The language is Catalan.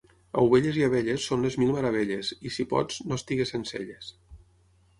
Ovelles i abelles són les mil meravelles i, si pots, no estiguis sense elles.